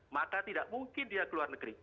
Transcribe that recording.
maka tidak mungkin dia ke luar negeri